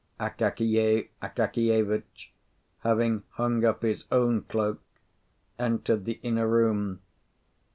Akakiy Akakievitch, having hung up his own cloak, entered the inner room.